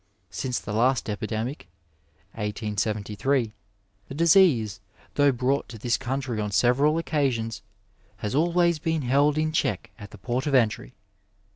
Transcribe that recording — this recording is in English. Since the last epidemic, 1873, the disease, though brought to this countiiy on several occasions, has always been held in check at the port of entry.